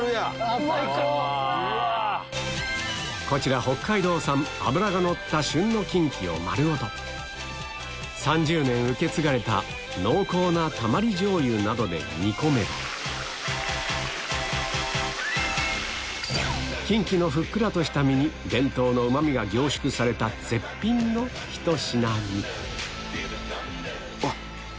こちら脂がのった旬の３０年受け継がれた濃厚なたまり醤油などで煮込めばきんきのふっくらとした身に伝統のうま味が凝縮された絶品のひと品にうわっ！